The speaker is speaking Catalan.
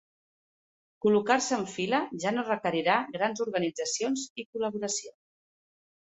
Col·locar-se en fila ja no requerirà grans organitzacions i col·laboració.